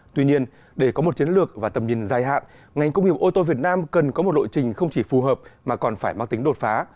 tuy nhiên để có một chiến lược và tầm nhìn dài hạn ngành công nghiệp ô tô việt nam cần có một lộ trình không chỉ phù hợp mà còn phải mang tính đột phá